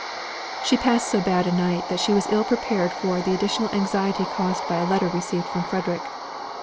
She passed so bad a night that she was ill prepared for the additional anxiety caused by a letter received from Frederick.